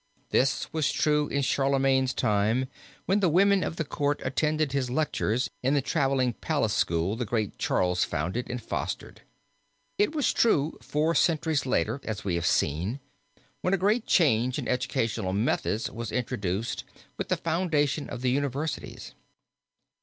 This was true in Charlemagne's time when the women of the court attended the lectures in the traveling palace school the great Charles founded and fostered. It was true four centuries later, as we have seen, when a great change in educational methods was introduced with the foundation of the universities.